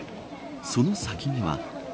その先には。